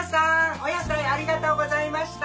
お野菜ありがとうございました。